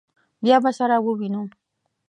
بیا به سره ووینو.